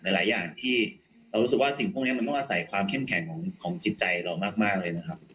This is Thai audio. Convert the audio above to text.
หลายอย่างที่เรารู้สึกว่าสิ่งพวกนี้มันต้องอาศัยความเข้มแข็งของจิตใจเรามากเลยนะครับ